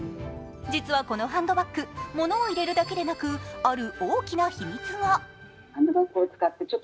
実はこのハンドバッグ、物を入れるだけでなくある大きな秘密が。